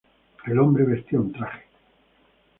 El hombre vestía un traje.